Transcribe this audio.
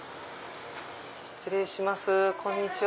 失礼しますこんにちは。